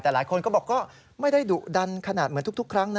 แต่หลายคนก็บอกก็ไม่ได้ดุดันขนาดเหมือนทุกครั้งนะ